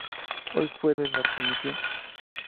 Hoy fuera de transmisión.